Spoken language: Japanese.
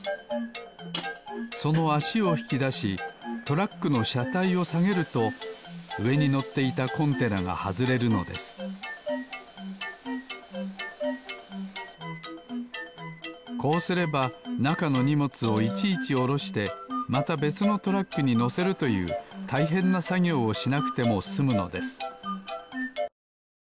そのあしをひきだしトラックのしゃたいをさげるとうえにのっていたコンテナがはずれるのですこうすればなかのにもつをいちいちおろしてまたべつのトラックにのせるというたいへんなさぎょうをしなくてもすむのです